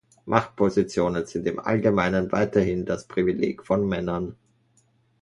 Machtpositionen sind im Allgemeinen weiterhin das Privileg von Männern.